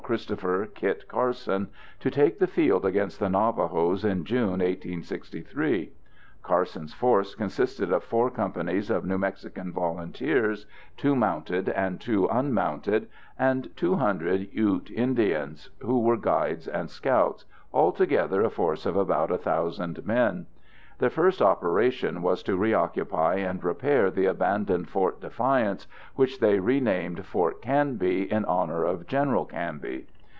Christopher (Kit) Carson to take the field against the Navajos in June 1863. Carson's force consisted of four companies of New Mexican Volunteers, two mounted and two unmounted, and 200 Ute Indians, who were guides and scouts, altogether a force of about 1,000 men. Their first operation was to reoccupy and repair the abandoned Fort Defiance, which they renamed Fort Canby in honor of General Canby.